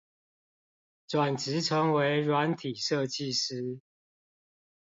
轉職成為軟體設計師